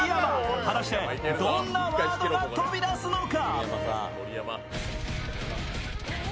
果たしてどんなワードが飛び出すのか。